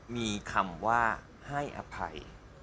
มีคำว่าให้อภัย